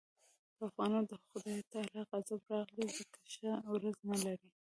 په افغانانو د خدای تعالی غضب راغلی ځکه ښه ورځ نه لري.